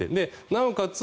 なおかつ